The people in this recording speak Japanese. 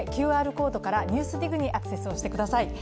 ＱＲコードから「ＮＥＷＳＤＩＧ」にアクセスをしてください。